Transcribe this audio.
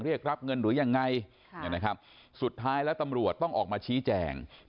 เรียกรับเงินหรือยังไงสุดท้ายแล้วตำรวจต้องออกมาชี้แจง